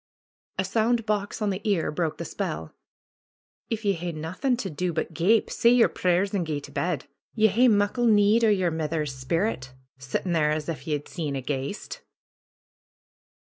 A sound box on the ear broke the spell. ^Tf ye hae naethin' to do but gape, say yer prayers and gae to bed. Ye hae muckle need o' yer mither's sperrit, sittin' there as if ye'd seen a ghaist."